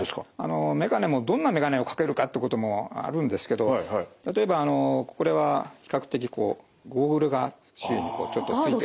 メガネもどんなメガネをかけるかってこともあるんですけど例えばあのこれは比較的こうゴーグルが周囲にちょっとついて。